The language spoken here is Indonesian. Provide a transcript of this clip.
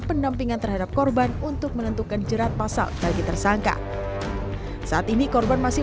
pendampingan terhadap korban untuk menentukan jerat pasal bagi tersangka saat ini korban masih